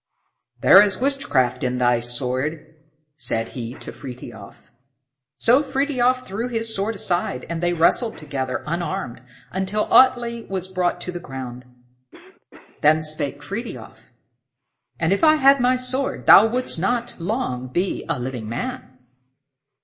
"There is witchcraft in thy sword," said he to Frithiof. So Frithiof threw his sword aside, and they wrestled together, unarmed, until Atlé was brought to the ground. Then spake Frithiof: "And if I had my sword thou wouldst not long be a living man."